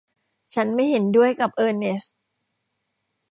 ฉันไม่เห็นด้วยกับเออร์เนสท์